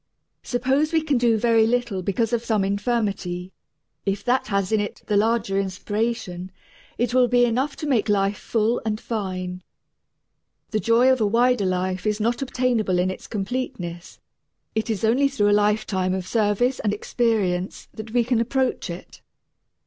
Suppose we can do very little because of some infirmity: if that little has in it the larger inspiration, it will be enough to make life full and fine. The joy of a wider life is not obtainable in its completeness; it is only through a lifetime of service and experience that we can approach it.